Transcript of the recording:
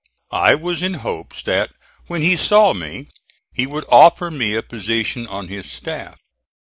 I was in hopes that when he saw me he would offer me a position on his staff.